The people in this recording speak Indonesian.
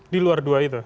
di luar dua itu